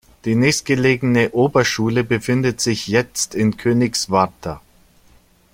Die nächstgelegene Oberschule befindet sich jetzt in Königswartha.